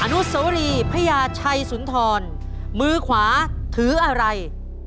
นุสวรีพญาชัยสุนทรมือขวาถืออะไร